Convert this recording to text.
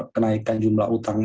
dan menyediakan kontrak sosial di